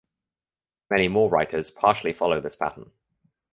Many more writers partially follow this pattern.